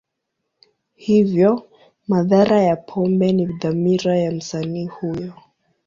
Hivyo, madhara ya pombe ni dhamira ya msanii huyo.